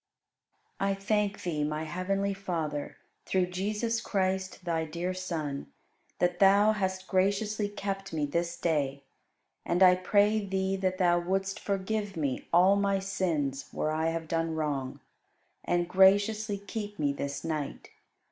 37. I thank Thee, my heavenly Father, through Jesus Christ, Thy dear Son, that Thou hast graciously kept me this day; and I pray Thee that Thou wouldst forgive me all my sins where I have done wrong, and graciously keep me this night.